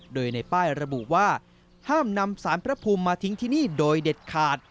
โดยในป้ายระบุว่าห้ามนำสารพระภูมิมาทิ้งที่นี่โดยเด็ดขาด